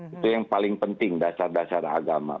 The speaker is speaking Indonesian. itu yang paling penting dasar dasar agama